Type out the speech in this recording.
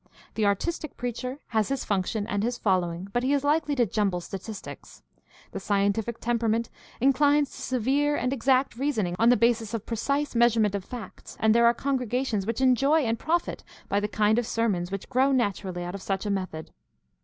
The artistic preacher has his function and his following, but he is likely to jumble statistics. The sci entific temperament inclines to severe and exact reasoning on the basis of precise measurement of facts; and there are congregations which enjoy and profit by the kind of sermons which grow naturally out of such a method.